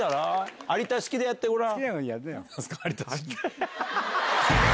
有田式でやってごらん。